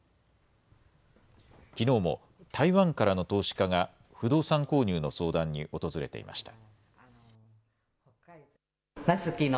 きのうも台湾からの投資家が不動産購入の相談に訪れていました。